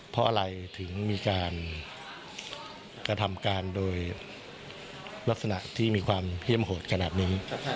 เพราะอะไรถึงมีการกระทำการโดยลักษณะที่มีความเฮี่ยมโหดขนาดนี้